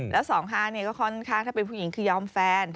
แล้ว๒๕๒๕ถ้าเป็นผู้หญิงคือยอมแฟน